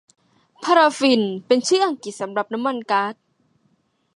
พาราฟินเป็นชื่ออังกฤษสำหรับน้ำมันก๊าด